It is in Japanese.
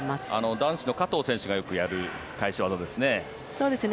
男子の加藤選手がよくやる返し技ですね。